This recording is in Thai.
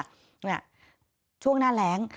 นี่ช่วงหน้าแหลง